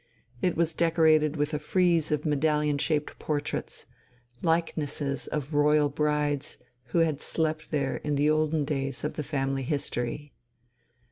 It was decorated with a frieze of medallion shaped portraits, likenesses of royal brides who had slept there in the olden days of the family history.